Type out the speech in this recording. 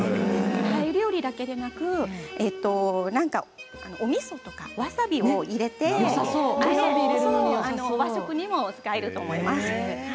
タイ料理だけでなくおみそとか、わさびを入れて和食にも使えると思います。